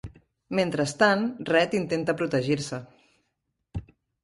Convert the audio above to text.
Mentrestant, Red intenta protegir-se.